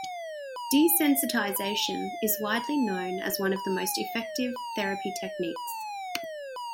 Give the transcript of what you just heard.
Desensitization is widely known as one of the most effective therapy techniques.